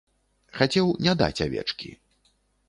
Хацеў не даць авечкі.